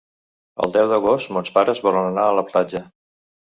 El deu d'agost mons pares volen anar a la platja.